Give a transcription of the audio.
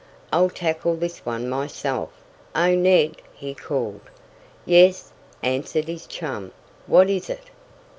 "I'll tackle this one myself. Oh, Ned!" he called. "Yes," answered his chum. "What is it?"